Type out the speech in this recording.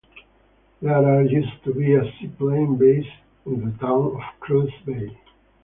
There used to be a seaplane base in the town of Cruz Bay.